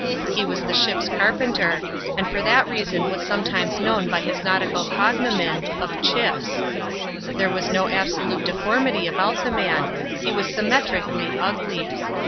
He was the ship's carpenter; and for that reason was sometimes known by his nautical cognomen of " Chips.'' There was no absolute deformity about the man ; he was symmetrically ugly.